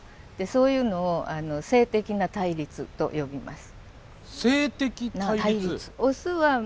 そういうのを性的な対立と呼びます。